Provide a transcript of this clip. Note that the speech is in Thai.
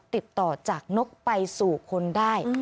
ติดต่อจากนกไปสู่คนได้